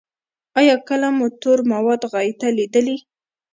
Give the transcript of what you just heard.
ایا کله مو تور مواد غایطه لیدلي؟